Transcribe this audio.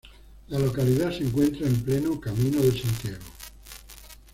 La localidad se encuentra en pleno Camino de Santiago.